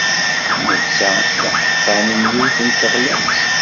Netta d aqebṭan n yiwet n teɣlamt.